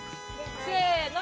せの！